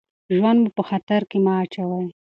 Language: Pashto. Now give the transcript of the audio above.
ژوند مو په خطر کې مه اچوئ.